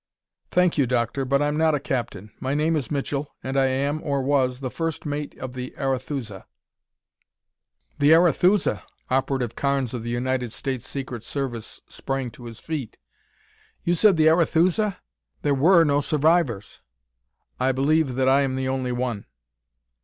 "Thank you, Doctor, but I'm not a captain. My name is Mitchell and I am, or was, the first mate of the Arethusa." "The Arethusa!" Operative Carnes of the United States Secret Service sprang to his feet. "You said the Arethusa? There were no survivors!" "I believe that I am the only one."